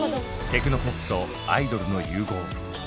テクノポップとアイドルの融合。